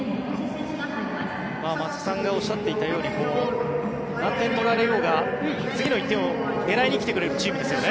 松木さんがおっしゃっていたように何点取られようが次の１点を狙いに来てくれるチームですよね。